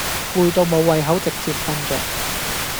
攰到無胃口直接瞓著